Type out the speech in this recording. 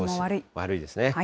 悪いですね。